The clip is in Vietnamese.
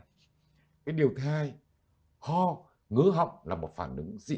cái điều thai ho ngứa học là một phản ứng